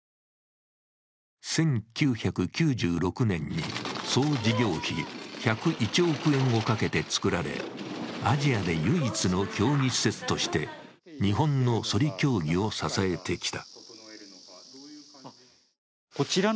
１９９６年に総事業費１０１億円をかけて造られ、アジアで唯一の競技施設として日本のそり競技を支えてきた。